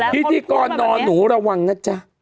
พิธีกรนอนหนูระวังนะจ๊ะ